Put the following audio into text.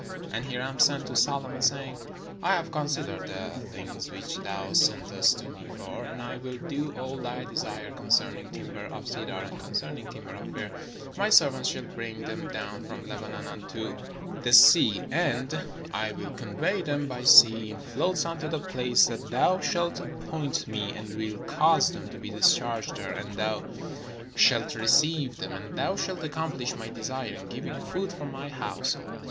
And Hiram sent to Solo mon, saying: "I have considered the things which thou sen test to me for : and I will do all thy desire concern ing timber of cedar, and concerning timber of fir. My servants shall bring them down from Lebanon unto the sea: and I will convey them by sea in floats unto the place that thou shalt appoint me, and will cause them to be discharged there, and thou shalt receive them: and thou shalt accompHsh my desire, in giving food for my household."